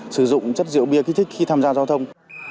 sử dụng chất rượu bia kích thích khi tham gia giao thông